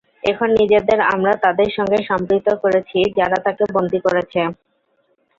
এখন নিজেদের আমরা তাদের সঙ্গে সম্পৃক্ত করেছি, যারা তাঁকে বন্দী করেছে।